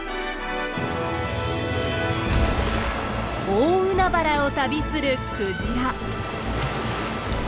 大海原を旅するクジラ。